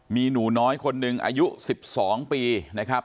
มีหนูน้อยคนหนึ่งอายุ๑๒ปีนะครับ